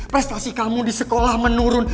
prestasi kamu di sekolah menurun